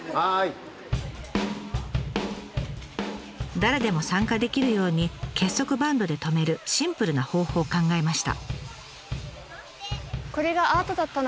誰でも参加できるように結束バンドで留めるシンプルな方法を考えました。